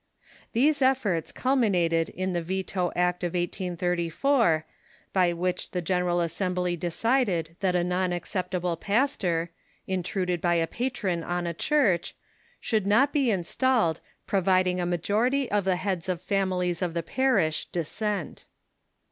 These THE GREAT DISRUPTION 381 efforts culminated in tlie Veto Act of 1834, by Avhicli tlie Gen eral Assembly decided that a non acceptable pastor, intruded by a patron on a church, should not be installed, providing a majority of the heads of families of the parish dissent.